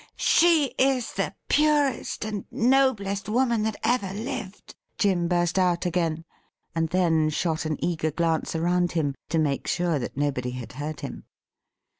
'She is the purest and the noblest woman that ever lived !' Jim burst out again, and then shot an eager glance around him to make sure that nobody had heard him.